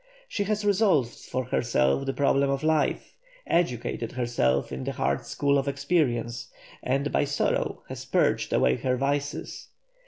She has resolved for herself the problem of life, educated herself in the hard school of experience, and by sorrow has purged away her vices.